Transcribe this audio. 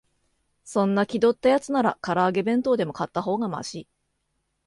そんな気取ったやつなら、から揚げ弁当でも買ったほうがマシ